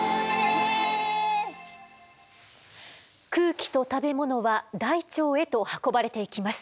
空気と食べ物は大腸へと運ばれていきます。